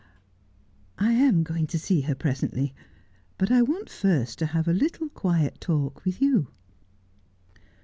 ' I am going to see her presently ; but I want first to have a little quiet talk with you.'